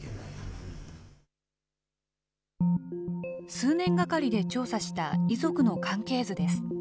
数年がかりで調査した遺族の関係図です。